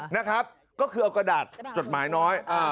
นะครับก็คือเอากระดาษจดหมายน้อย